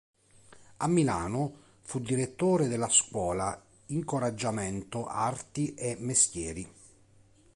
A Milano fu direttore della "Scuola incoraggiamento arti e mestieri".